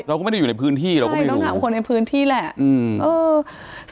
เราก็ไม่ได้อยู่ในพื้นที่เราก็ไม่รู้ต้องถามคนในพื้นที่แหละอืมเออ